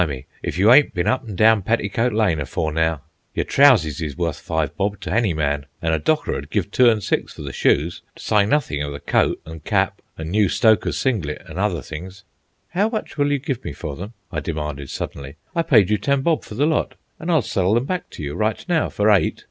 "Blimey, if you ain't ben up an' down Petticut Lane afore now. Yer trouseys is wuth five bob to hany man, an' a docker 'ud give two an' six for the shoes, to sy nothin' of the coat an' cap an' new stoker's singlet an' hother things." "How much will you give me for them?" I demanded suddenly. "I paid you ten bob for the lot, and I'll sell them back to you, right now, for eight!